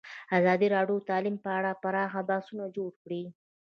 ازادي راډیو د تعلیم په اړه پراخ بحثونه جوړ کړي.